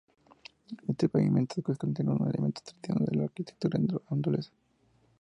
Este pavimento es considerado un elemento tradicional de la arquitectura andaluza.